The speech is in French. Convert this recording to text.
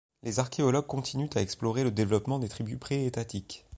Les archéologues continuent à explorer le développement des tribus pré-étatiques.